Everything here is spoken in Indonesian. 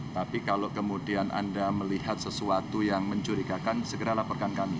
tapi kalau kemudian anda melihat sesuatu yang mencurigakan segera laporkan kami